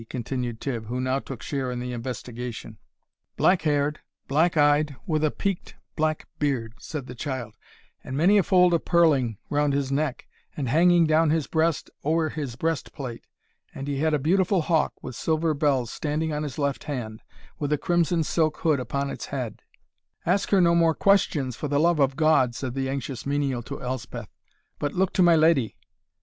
continued Tibb, who now took share in the investigation. "Black haired, black eyed, with a peaked black beard," said the child; "and many a fold of pearling round his neck, and hanging down his breast ower his breastplate; and he had a beautiful hawk, with silver bells, standing on his left hand, with a crimson silk hood upon its head " "Ask her no more questions, for the love of God," said the anxious menial to Elspeth, "but look to my leddy!"